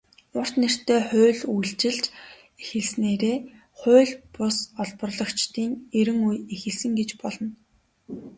"Урт нэртэй хууль" үйлчилж эхэлснээр хууль бус олборлогчдын эрин үе эхэлсэн гэж болно.